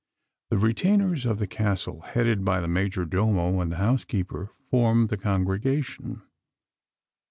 The retainers of the Castle, headed by the major domo and the housekeeper, formed the congregation.